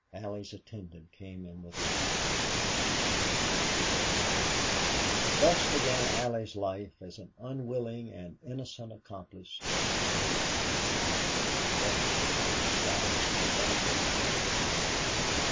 Allie's attendant came in with her supper and she went to her room. Thus began Allie Lee's life as an unwilling and innocent accomplice of Durade in his retrogression from the status of a gambler to that of a criminal.